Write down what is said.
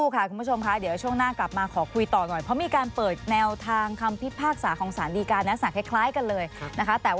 ตามระยะเวลาที่กำหนดเอาไว้นะครับ